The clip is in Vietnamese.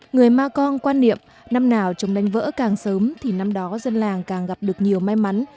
người ma cong quan niệm năm nào chống đánh vỡ càng sớm thì năm đó dân làng càng gặp được nhiều may mắn